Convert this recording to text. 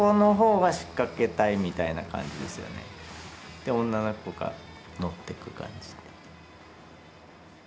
で女の子がのってく感じ。